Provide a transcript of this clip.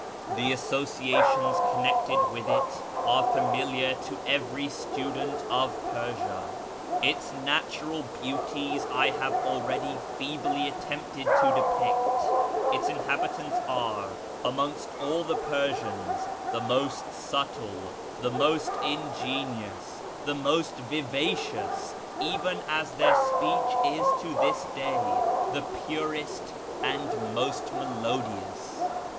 The associations connected with it are familiar to every student of Persian ; its natural beauties I have already feebly attempted to depict ; its inhabitants are, amongst all the Persians, the most subtle, the most ingenious, the most vivacious, even as their speech is to this day the purest and most melodious.